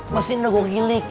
mesin udah gue gilik